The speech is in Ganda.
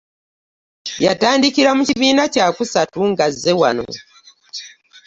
Yatandikira mu kibiina kyakusatu ng'azze wano.